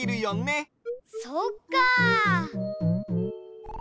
そっか！